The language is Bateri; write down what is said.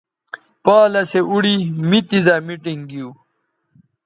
پالسے اوڑی می تیزائ میٹنگ گیو